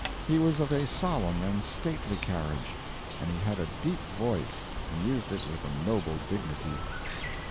He was of a solemn and stately carriage; and he had a deep voice, and used it with a noble dignity.